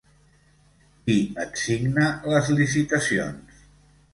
Qui et signa les licitacions?